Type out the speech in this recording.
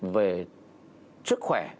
về chức khỏe